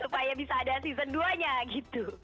supaya bisa ada season dua nya gitu